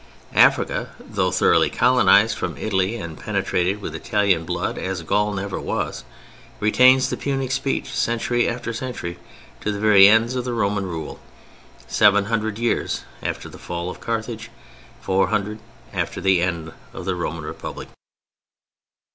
Africa, though thoroughly colonized from Italy and penetrated with Italian blood as Gaul never was, retains the Punic speech century after century, to the very ends of Roman rule—seven hundred years after the fall of Carthage: four hundred after the end of the Roman Republic!